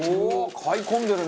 「買い込んでるね！」